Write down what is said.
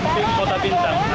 pembing kota bintara